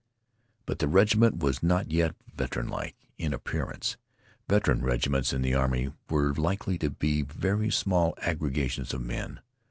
But the regiment was not yet veteranlike in appearance. Veteran regiments in the army were likely to be very small aggregations of men.